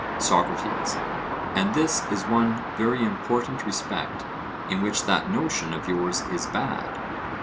SOCRATES: And this is one very important respect in which that notion of yours is bad.